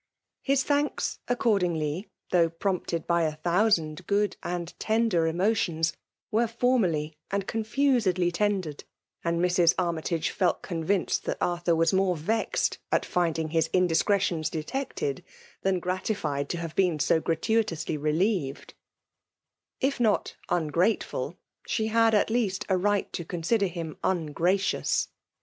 His thanks, accordingly, though prompted by a thousand good and tender emotions, were formally and confusedly tendered; and Mrs. Army tagc felt convinced that Arthur was moie vexed at finding his indiscretions detected, than gratified to have been so gratuitously relieved* If not ungrateful, she had at least a right to consider him ungracious.